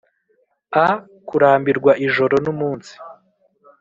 a-kurambirwa ijoro n'umunsi;